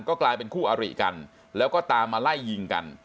ก็กลายเป็นคู่อริกันแล้วก็ตามมาไล่ยิงกัน